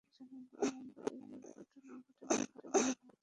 শনিবার মুম্বাইয়ে এই দুর্ঘটনা ঘটে বলে ভারতীয় গণমাধ্যম এনডিটিভির খবরে বলা হয়েছে।